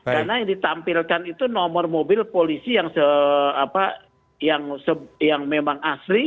karena yang ditampilkan itu nomor mobil polisi yang memang asli